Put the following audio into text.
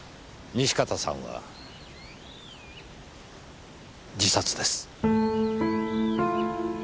西片さんは自殺です。